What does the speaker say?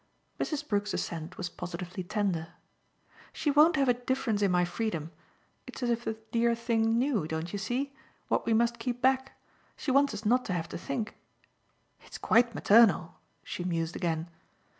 Mrs. Brook's assent was positively tender. "She won't have a difference in my freedom. It's as if the dear thing KNEW, don't you see? what we must keep back. She wants us not to have to think. It's quite maternal!" she mused again.